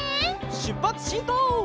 しゅっぱつしんこう！